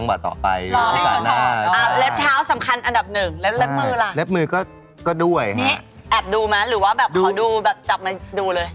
นี่แอบดูไหมหรือว่าแบบขอดูแบบจับมาดูเลย